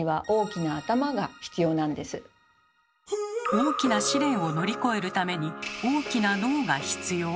大きな試練を乗り越えるために大きな脳が必要？